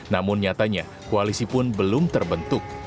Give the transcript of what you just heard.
namun nyatanya koalisi pun belum terbentuk